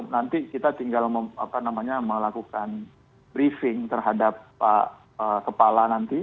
nanti kita tinggal melakukan briefing terhadap pak kepala nanti